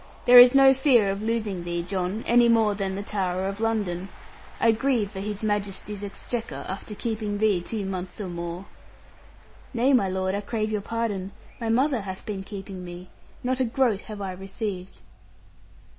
There is no fear of losing thee, John, any more than the Tower of London. I grieve for His Majesty's exchequer, after keeping thee two months or more.' 'Nay, my lord, I crave your pardon. My mother hath been keeping me. Not a groat have I received.'